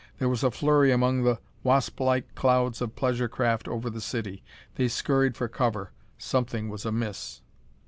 There was a flurry among the wasplike clouds of pleasure craft over the city. They scurried for cover. Something was amiss!